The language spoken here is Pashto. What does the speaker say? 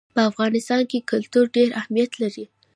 په افغانستان کې کلتور ډېر اهمیت لري.